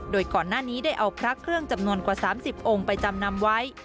โดยก่อนหน้านี้ได้เอาพระเครื่องจำนวนกว่า๓๐องค์ไปจำนำไว้